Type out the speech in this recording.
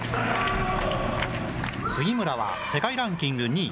杉村は、世界ランキング２位。